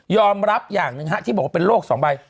รับอย่างหนึ่งที่บอกว่าเป็นโรค๒ใบ